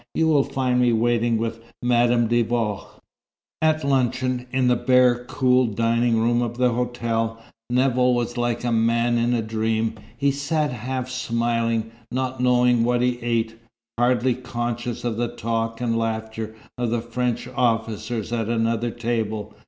You will find me waiting with Madame de Vaux." At luncheon, in the bare, cool dining room of the hotel, Nevill was like a man in a dream. He sat half smiling, not knowing what he ate, hardly conscious of the talk and laughter of the French officers at another table.